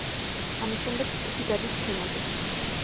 ამის შემდეგ ჯგუფი გადის სცენაზე.